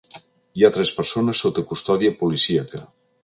Hi ha tres persones sota custòdia policíaca.